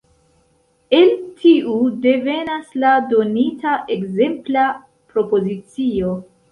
El tiu devenas la donita ekzempla propozicio.